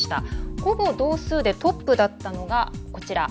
ほぼ同数でトップだったのがこちら。